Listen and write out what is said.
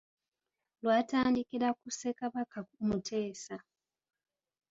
Lwatandikira ku Ssekabaka Muteesa.